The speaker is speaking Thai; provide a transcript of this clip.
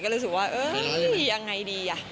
ก็รู้สึกว่าเอ่อยังไงดี